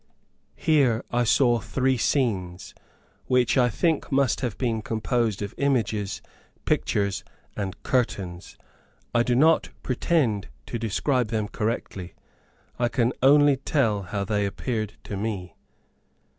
Here I saw three scenes, which I think must have been composed of images, pictures, and curtains. I do not pretend to describe them correctly, I can only tell how they appeared to me.